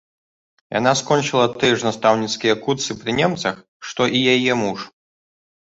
Яна скончыла тыя ж настаўніцкія курсы пры немцах, што і яе муж.